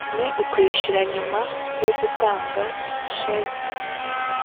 ni ukwishyura nyuma yo gutanga sheki